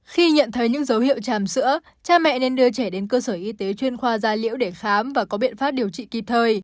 khi nhận thấy những dấu hiệu tràm sữa cha mẹ nên đưa trẻ đến cơ sở y tế chuyên khoa gia liễu để khám và có biện pháp điều trị kịp thời